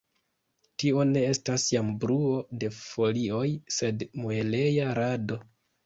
Tio ne estas jam bruo de folioj, sed mueleja rado.